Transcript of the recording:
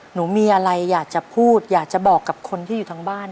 หนูมีอะไรอยากจะพูดอยากจะบอกกับคนที่อยู่ทางบ้าน